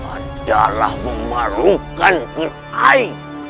adalah memaruhkan diri